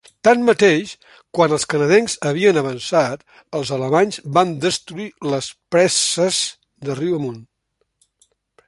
Tanmateix, quan els canadencs havien avançat, els alemanys van destruir les presses de riu amunt.